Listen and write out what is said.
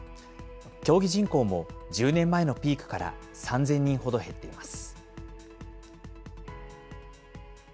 競技人口も１０年前のピークから３０００人ほど減っています。